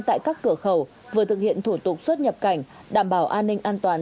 tại các cửa khẩu vừa thực hiện thủ tục xuất nhập cảnh đảm bảo an ninh an toàn